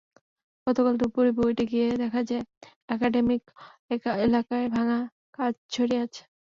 গতকাল দুপুরে বুয়েটে গিয়ে দেখা যায়, একাডেমিক এলাকায় ভাঙা কাচ ছড়িয়ে আছে।